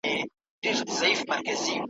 عمر تېر سو وېښته سپین سول ځواني وخوړه کلونو ,